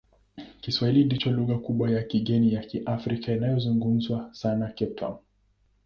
Kiswahili ndiyo lugha kubwa ya kigeni ya Kiafrika inayozungumzwa sana Cape Town.